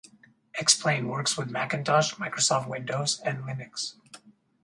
X-Plane works with Macintosh, Microsoft Windows, and Linux.